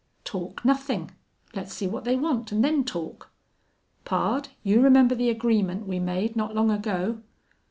"Talk nothing. Let's see what they want, and then talk. Pard, you remember the agreement we made not long ago?"